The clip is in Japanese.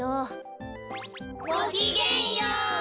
ごきげんよう。